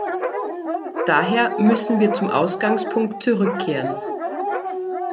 Daher müssen wir zum Ausgangspunkt zurückkehren.